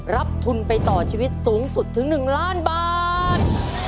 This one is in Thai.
รับทุนไปต่อชีวิตสูงสุดถึง๑ล้านบาท